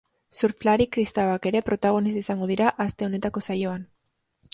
Surflari kristauak ere protagonista izango dira aste honetako saioan.